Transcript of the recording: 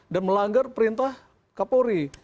dan melanggar perintah kbp num